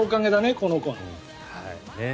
この子の。